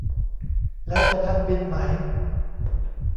แล้วจะทันบินไหม